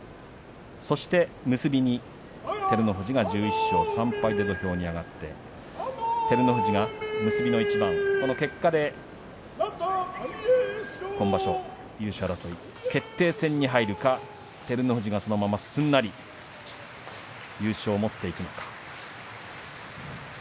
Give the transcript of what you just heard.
そして結びに照ノ富士が１１勝３敗で土俵に上がって照ノ富士が結びの一番この結果で今場所優勝争い決定戦に入るか照ノ富士が、そのまますんなり優勝を持っていくのか。